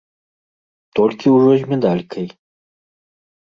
Толькі ўжо з медалькай.